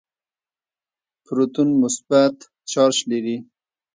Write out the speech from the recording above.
پروتون مثبت چارج لري.